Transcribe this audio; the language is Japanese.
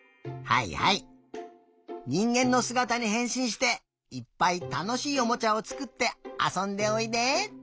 はいはいにんげんのすがたにへんしんしていっぱいたのしいおもちゃをつくってあそんでおいで。